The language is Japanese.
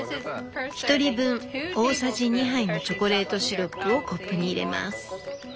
「１人分大さじ２杯のチョコレートシロップをコップに入れます。